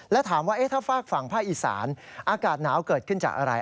และถามว่าถ้าฝากฝั่งภาคอีสานอากาศหนาวเกิดขึ้นจากอะไร